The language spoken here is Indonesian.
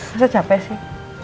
masa capek sih